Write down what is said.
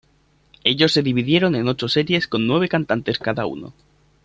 Ellos se dividieron en ocho series con nueve cantantes en cada uno.